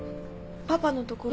パパのところ。